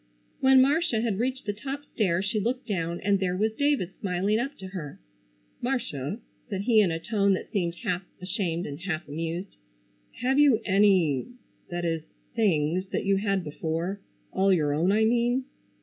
When Marcia had reached the top stair she looked down and there was David smiling up to her. "Marcia," said he in a tone that seemed half ashamed and half amused, "have you, any—that is—things—that you had before—all your own I mean?"